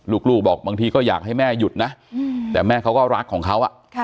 ลูกบอกบางทีก็อยากให้แม่หยุดนะแต่แม่เขาก็รักของเขา